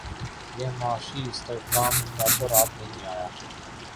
یہ معاشی استحکام راتوں رات نہیں آیا